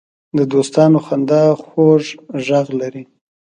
د دوستانو خندا خوږ غږ لري